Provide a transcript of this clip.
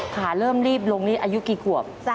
ขาเริ่มรีบลงนี่อายุกี่ขวบ